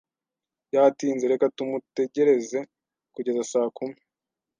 Yatinze. Reka tumutegereze kugeza saa kumi.